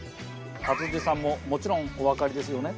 勝地さんももちろんおわかりですよね？